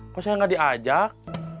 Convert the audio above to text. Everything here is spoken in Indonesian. kok sekarang gak diajak